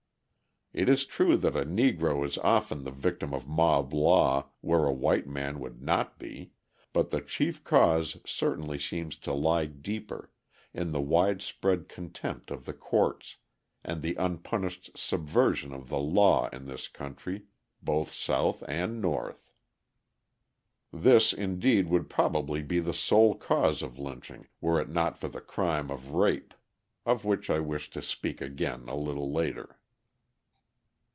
It is true that a Negro is often the victim of mob law where a white man would not be, but the chief cause certainly seems to lie deeper, in the widespread contempt of the courts, and the unpunished subversion of the law in this country, both South and North. This, indeed, would probably be the sole cause of lynching, were it not for the crime of rape, of which I wish to speak again a little later.